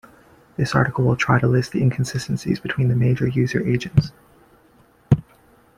This article will try to list the inconsistencies between the major user agents.